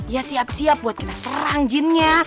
ya siap siap buat kita serang jinnya